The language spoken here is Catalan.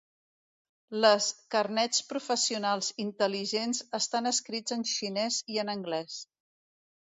Les carnets professionals intel·ligents estan escrits en xinès i en anglès.